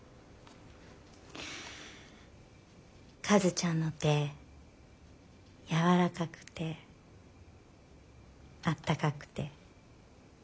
カズちゃんの手柔らかくてあったかくて。